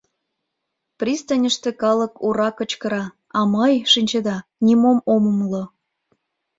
Пристаньыште калык «ура» кычкыра, а мый, шинчеда, нимом ом умыло.